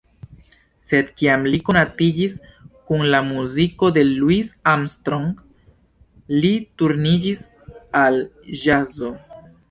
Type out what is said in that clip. Sed kiam li konatiĝis kun la muziko de Louis Armstrong, li turniĝis al ĵazo.